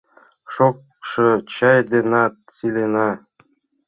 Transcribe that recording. Шокшо чай денат сийлена.